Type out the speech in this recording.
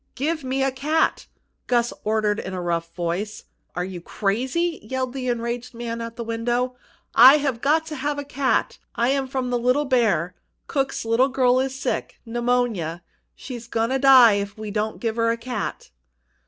"Give me a cat!" Gus ordered in a rough voice. "Are you crazy?" yelled the enraged man at the window. "I've got to have a cat! I'm from the Little Bear! Cook's little girl is sick pneumonia! She's goin' to die if we don't get her a cat!"